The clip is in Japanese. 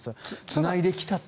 つないできたと。